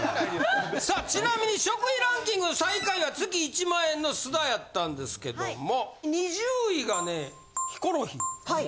さあちなみに食費ランキング最下位は月１万円の須田やったんですけども２０位がねヒコロヒー。